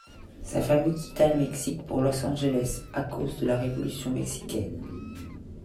Sa famille quitta le Mexique pour Los Angeles à cause de la Révolution mexicaine.